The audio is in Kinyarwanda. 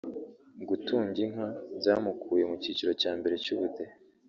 Gutunga inka byamukuye mu cyiciro cya mbere cy’ubudehe